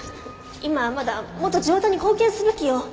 今はまだもっと地元に貢献すべきよ。